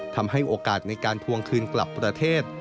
ทำให้โอกาสในการทวงคืนกลับประเทศ